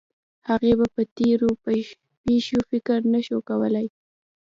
هغې به په تېرو پېښو فکر نه شو کولی